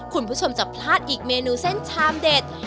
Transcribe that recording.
คุณผู้ชมจะพลาดอีกเมนูเส้นชามเด็ด